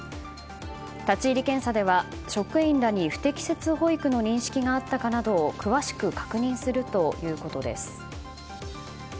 立ち入り検査では職員らに不適切保育の認識があったかなどを詳しく確認するということです。